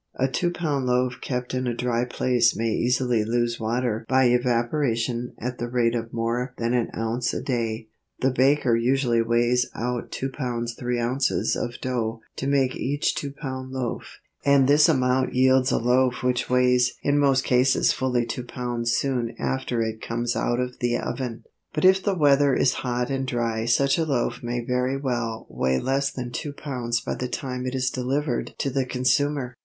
A two pound loaf kept in a dry place may easily lose water by evaporation at the rate of more than an ounce a day. The baker usually weighs out 2 lbs. 3 ozs. of dough to make each two pound loaf, and this amount yields a loaf which weighs in most cases fully two pounds soon after it comes out of the oven. But if the weather is hot and dry such a loaf may very well weigh less than two pounds by the time it is delivered to the consumer.